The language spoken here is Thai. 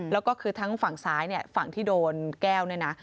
แล้วก็คือทั้งฝั่งซ้ายเนี่ยฝั่งที่โดนแก้วเนี่ยนะ